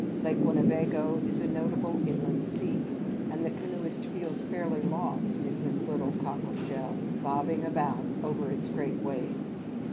Lake Winnebago is a notable inland sea, and the canoeist feels fairly lost, in his little cockle shell, bobbing about over its great waves.